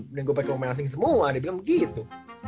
mending gue pake pemain asing semua dia bilang begitu